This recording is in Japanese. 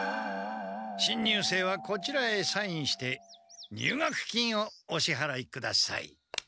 新入生はこちらへサインして入学金をおしはらいください。